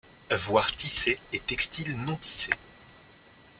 Voir tissé et textile non-tissé.